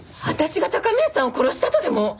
私が高宮さんを殺したとでも？